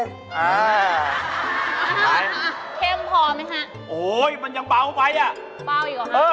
เบาอีกหรอครับ